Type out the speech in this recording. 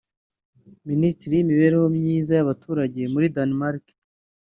Minisitiri w’imibereho myiza y’abaturage muri Denmark